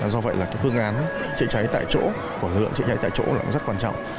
do vậy là cái phương án chạy cháy tại chỗ của lực lượng chạy cháy tại chỗ là rất quan trọng